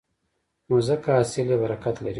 نو ځکه حاصل یې برکت لري.